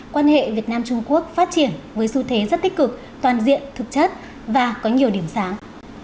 quan hệ việt nam trung quốc phát triển với xu thế rất tích cực toàn diện thực chất và có nhiều điểm sáng